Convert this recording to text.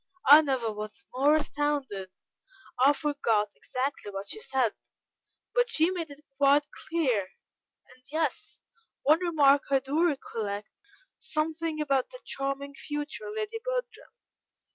I never was more astounded. I forget exactly what she said, but she made it quite clear, and yes, one remark I do recollect, something about the 'charming future Lady Bertram.'"